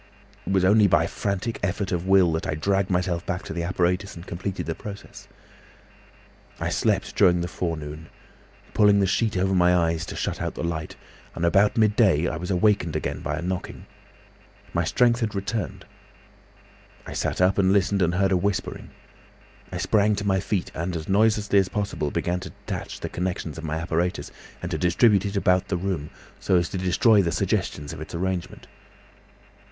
"It was only by a frantic effort of will that I dragged myself back to the apparatus and completed the process. "I slept during the forenoon, pulling the sheet over my eyes to shut out the light, and about midday I was awakened again by a knocking. My strength had returned. I sat up and listened and heard a whispering. I sprang to my feet and as noiselessly as possible began to detach the connections of my apparatus, and to distribute it about the room, so as to destroy the suggestions of its arrangement.